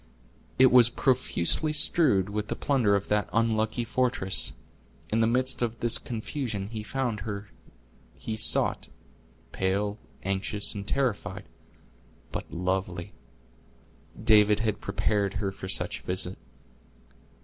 It was profusely strewed with the plunder of that unlucky fortress. In the midst of this confusion he found her he sought, pale, anxious and terrified, but lovely. David had prepared her for such a visit.